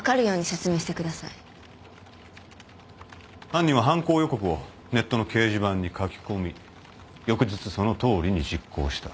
犯人は犯行予告をネットの掲示板に書き込み翌日そのとおりに実行した。